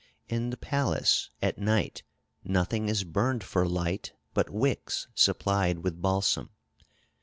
In the palace, at night, nothing is burned for light but wicks supplied with balsam....